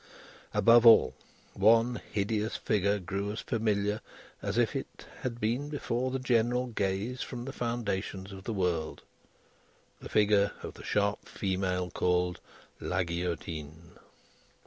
Above all, one hideous figure grew as familiar as if it had been before the general gaze from the foundations of the world the figure of the sharp female called La Guillotine.